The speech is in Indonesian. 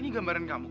ini gambaran kamu kak